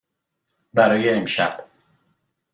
برای امشب.